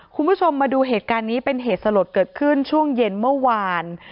คุณผู้ชมมาดูเหตุการณ์นี้เป็นเหตุสลดเกิดขึ้นช่วงเย็นเมื่อวาน